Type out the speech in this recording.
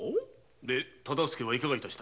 で大岡はいかが致した？